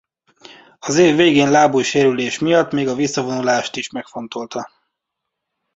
Az év végén lábujj-sérülés miatt még a visszavonulást is megfontolta.